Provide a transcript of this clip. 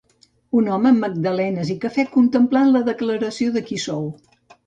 Un home amb magdalenes i cafè contemplant la declaració de qui sou